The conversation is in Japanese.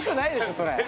それ。